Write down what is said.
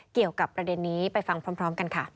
เกี่ยวกับประเด็นนี้ไปฟังพร้อมกันค่ะ